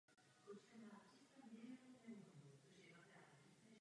Je to výrazný a dobře přístupný potok.